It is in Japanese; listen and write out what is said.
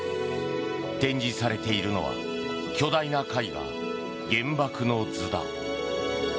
展示されているのは巨大な絵画「原爆の図」だ。